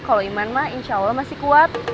kalau iman mah insya allah masih kuat